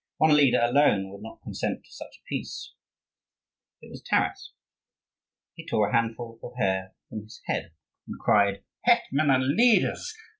One leader alone would not consent to such a peace. It was Taras. He tore a handful of hair from his head, and cried: "Hetman and leaders!